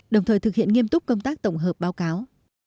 đồng thời thực hiện nghiêm túc công tác tổng hợp báo cáo